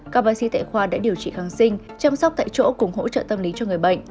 các bác sĩ tại khoa đã điều trị kháng sinh chăm sóc tại chỗ cùng hỗ trợ tâm lý cho người bệnh